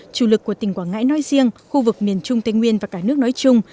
chủ lực của tỉnh quảng ngãi nói riêng khu vực miền trung tây nguyên và cả nước nói chung